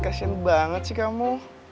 kasian banget sih kamu